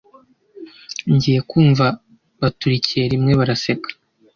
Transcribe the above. ngiye kumva baturikiye rimwe baraseka